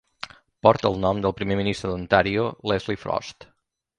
Porta el nom del primer ministre d'Ontario Leslie Frost.